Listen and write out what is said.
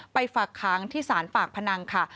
ฝากค้างที่สารปากพนังค่ะ